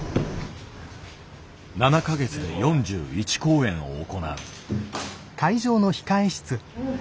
７か月で４１公演を行う。